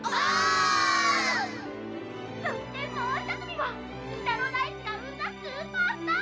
「そしてもう一組は北の大地が生んだスーパースター！